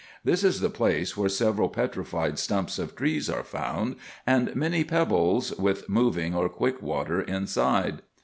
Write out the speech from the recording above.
This is the place where several petrified stumps of trees are found, and many pebbles, with moving or quick water inside.